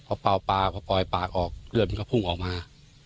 ออบปลายปากออกเครื่องมันก็พุ่งออกมา